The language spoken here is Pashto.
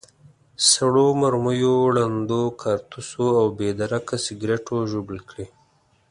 سړو مرمیو، ړندو کارتوسو او بې درکه سکروټو ژوبل کړي.